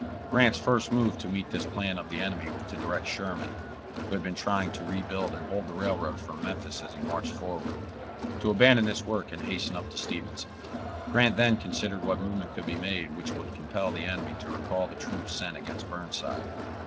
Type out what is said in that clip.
Grant's first move to meet this plan of the enemy was to direct Sherman, who had been trying to rebuild and hold the railroad from Memphis as he marched forward, to abandon this work and hasten up to Stevenson. Grant then considered what movement could be made which would compel the enemy to recall the troops sent against Burnside.